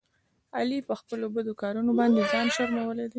علي په خپلو بدو کارونو باندې ځان شرمولی دی.